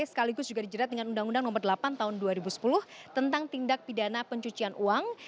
sekaligus juga dijerat dengan undang undang nomor delapan tahun dua ribu sepuluh tentang tindak pidana pencucian uang